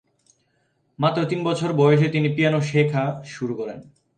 মাত্র তিন বছর বয়সে তিনি পিয়ানো শেখা শুরু করেন।